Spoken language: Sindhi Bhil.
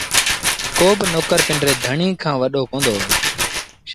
ڪو با نوڪر پنڊري ڌڻيٚ کآݩ وڏو ڪوندو هوئي